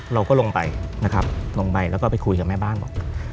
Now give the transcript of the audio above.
เราก็ลงไปนะครับลงไปแล้วก็ไปคุยกับแม่บ้านบอก